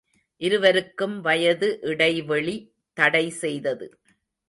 இருவருக்கும் வயது இடைவெளி தடை செய்தது.